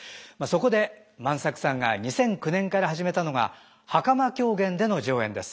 そこで万作さんが２００９年から始めたのが袴狂言での上演です。